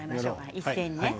一斉に。